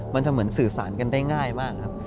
มันจะเหมือนสื่อสารกันได้ง่ายมากครับ